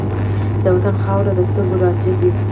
د وطن خاوره د سترګو رانجه ده.